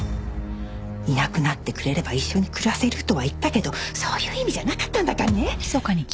いなくなってくれれば一緒に暮らせるとは言ったけどそういう意味じゃなかったんだからね！